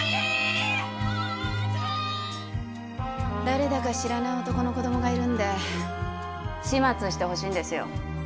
誰だか知らない男の子どもがいるんで始末してほしいんですよ。